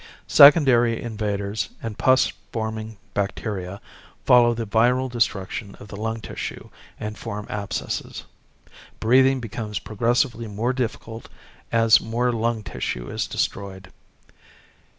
Secondary invaders and pus forming bacteria follow the viral destruction of the lung tissue and form abscesses. Breathing becomes progressively more difficult as more lung tissue is destroyed.